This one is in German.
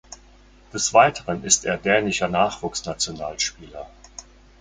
Des Weiteren ist er dänischer Nachwuchsnationalspieler.